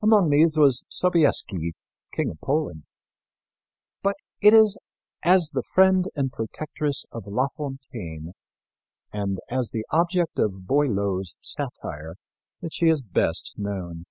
Among these was Sobieski, King of Poland. But it is as the friend and protectress of La Fontaine and as the object of Boileau's satire that she is best known.